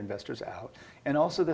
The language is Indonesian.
jika mereka masuk ke dalam